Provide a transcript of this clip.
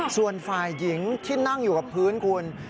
ส่วนฝ่ายหญิงที่นั่งอยู่กับพื้นคุณ